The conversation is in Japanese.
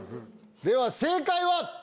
では正解は！